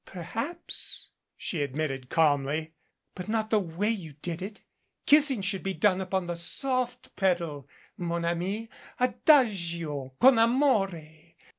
"Perhaps," she admitted calmly, "but not the way you did it. Kissing should be done upon the soft pedal mon ami, adagio, con amore.